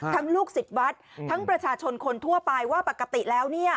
ทั้งลูกสิทธิ์วัดทั้งประชาชนคนทั่วไปว่าปกติแล้ว